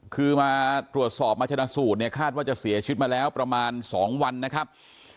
คือมาตรวจสอบมาชนะสูตรเนี่ยคาดว่าจะเสียชีวิตมาแล้วประมาณ๒วันนะครับ